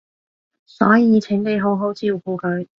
所以請你好好照顧佢